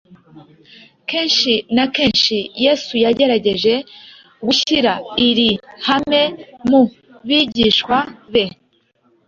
Kenshi na kenshi Yesu yagerageje gushyira iri hame mu bigishwa be.